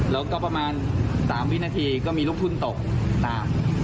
แล้วก็ประมาณ๓วินาทีก็มีลูกทุนตกตาม